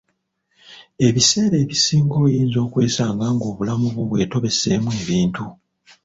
Ebiseera ebisinga oyinza okwesanga ng'obulamu bwo bwetobeseemu ebintu.